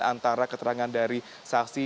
antara keterangan dari saksi